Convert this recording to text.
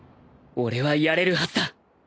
俺はやれるはずだ